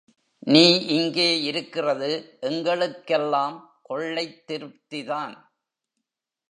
நீ இங்கே இருக்கிறது எங்களுக்கெல்லாம் கொள்ளைத் திருப்திதான்.